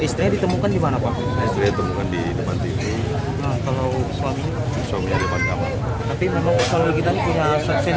sebelum ditemukan di depan tv suaminya di depan kamar